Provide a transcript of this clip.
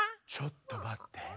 ちょっとまって。